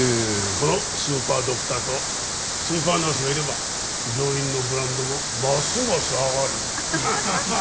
このスーパードクターとスーパーナースがいれば病院のブランドもますます上がる！